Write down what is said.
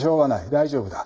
大丈夫だ。